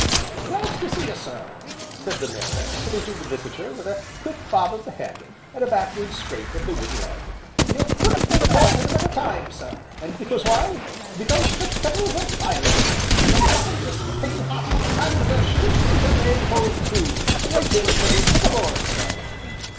"Glad to see you sir," said the mariner, saluting the visitor with a quick bob of the head, and a backward scrape of the wooden leg. "You couldn't make port at a better time, sir, and because why? because the kettle's a biling, sir, the muffins is piping hot, and the shrimps is a laying hove to, waiting to be took aboard, sir."